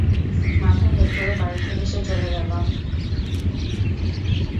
মাথা হেঁট করে বাড়ি থেকে সে চলে গেল।